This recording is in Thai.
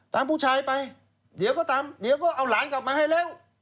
ผู้ชายไปเดี๋ยวก็ตามเดี๋ยวก็เอาหลานกลับมาให้แล้ว